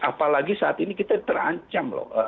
apalagi saat ini kita terancam loh